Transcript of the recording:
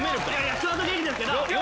ショートケーキですけど。